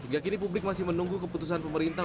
hingga kini publik masih menunggu keputusan pemerintah